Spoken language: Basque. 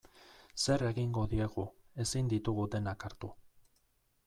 Zer egingo diegu, ezin ditugu denak hartu.